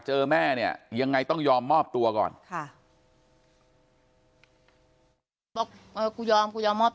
เจอแม่เนี่ยยังไงต้องยอมมอบตัวก่อนบอกกูยอมกูยอมมอบ